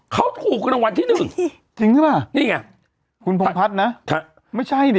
เขาถูกรางวัลที่หนึ่งจริงใช่ป่ะนี่ไงคุณพงพัฒน์นะไม่ใช่ดิ